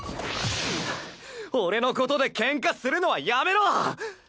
はぁ俺のことでケンカするのはやめろ！